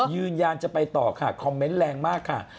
ยืนยันจะไปต่อค่ะคอมเมนต์แรงมากค่ะ